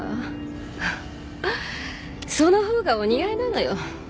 その方がお似合いなのよ。